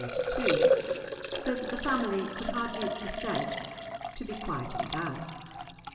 So that the family could hardly be said to be quieting down.